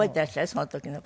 その時の事。